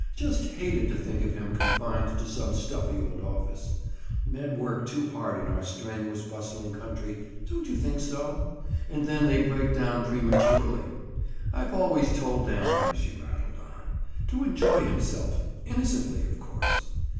Just hated to think of him confined to some stuffy old office. Men work too hard in our strenuous, bustling country, don't you think so? And then they break down prematurely. I've always told Dan," she rattled on, "to enjoy himself—innocently, of course."